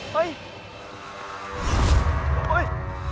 เฮ้ย